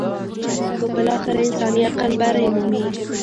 خو بالاخره انساني عقل برۍ مومي.